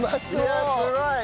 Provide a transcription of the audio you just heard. いやすごい！